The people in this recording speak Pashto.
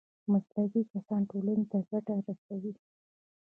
مسلکي کسان ټولنې ته ګټه رسوي